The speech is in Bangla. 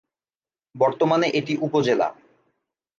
বর্তমানে এটি উপজেলা।